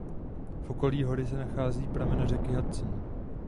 V okolí hory se nachází pramen řeky Hudson.